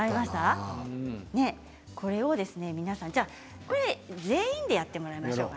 これを皆さん全員でやってもらいましょうか。